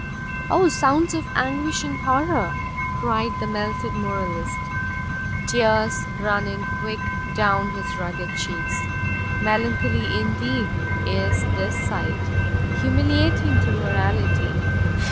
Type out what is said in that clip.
"Oh sounds of anguish and horror!" cried the melted moralist, tears running quick down his rugged cheeks; "melancholy indeed is this sight, humiliating to morality!